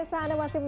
y vai di setan